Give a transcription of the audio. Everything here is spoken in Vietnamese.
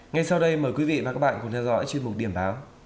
ngay sau đây mời quý vị và các bạn cùng theo dõi chương trình một điểm báo